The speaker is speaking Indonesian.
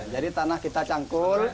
jadi tanah kita cangkul